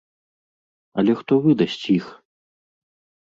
Але хто выдасць іх?